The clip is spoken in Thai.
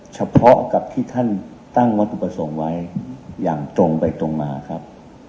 เฉพาะกับที่ท่านตั้งวัตถุประสงค์ไว้อย่างตรงไปตรงมาครับ